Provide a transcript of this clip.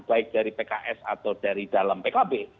baik dari pks atau dari dalam pkb